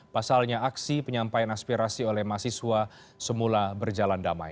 pasalnya aksi penyampaian aspirasi oleh mahasiswa semula berjalan damai